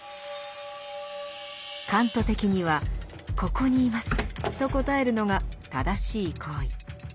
カント的には「ここにいます」と答えるのが正しい行為。